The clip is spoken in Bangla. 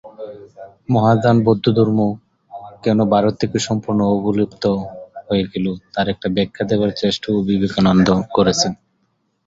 মহাযান বৌদ্ধধর্ম কেন ভারত থেকে সম্পূর্ণ অবলুপ্ত হয়ে গেল, তার একটা ব্যাখ্যা দেবার চেষ্টাও বিবেকানন্দ করেছেন।